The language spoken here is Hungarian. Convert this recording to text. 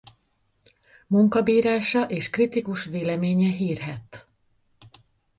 Munkabírása és kritikus véleménye hírhedt.